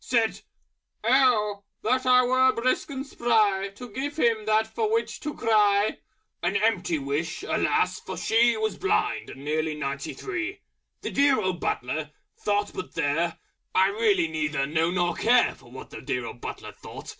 Said "Oh! that I were Brisk and Spry To give him that for which to cry!" (An empty wish, alas! for she Was Blind and nearly ninety three). The Dear Old Butler thought but there! I really neither know nor care For what the Dear Old Butler thought!